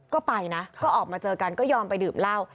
ก็ไปนะก็ออกมาเจอกันก็ยอมไปดื่มเหล้า